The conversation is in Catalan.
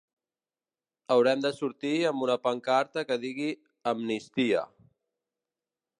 Haurem de sortir amb una pancarta que digui “amnistia”.